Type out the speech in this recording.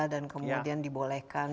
dan kemudian dibolehkan